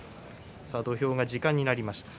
土俵が時間になりました。